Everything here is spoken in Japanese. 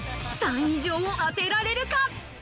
３位以上を当てられるか？